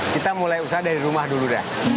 kita mulai usaha dari rumah dulu dah